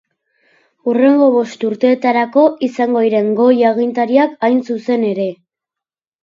Hurrengo bost urteetarako izango diren goi agintariak hain zuzen ere.